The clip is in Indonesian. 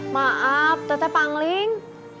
maaf teteh pangling